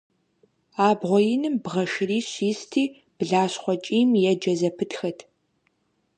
Абгъуэ иным бгъэ шырищ исти, блащхъуэ кӀийм еджэ зэпытхэт.